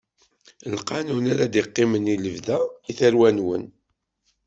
D lqanun ara d-iqqimen i lebda, i tarwa-nwen.